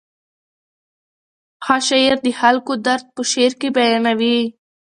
ښه شاعر د خلکو درد په شعر کې بیانوي.